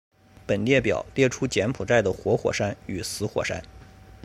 本列表列出柬埔寨的活火山与死火山。